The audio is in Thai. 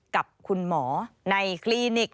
กับคุณหมอในคลินิก